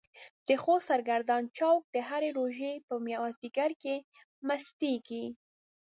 د خوست سرګردان چوک د هرې روژې په مازديګر کې مستيږي.